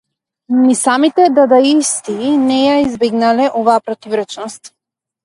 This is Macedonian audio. Ни самите дадаисти не ја избегнале оваа противречност.